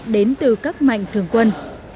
đến từ các mạnh thường quân